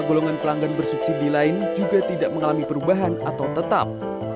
dua puluh lima golongan pelanggan bersubsidi lain juga tidak mengalami perubahan atau tetap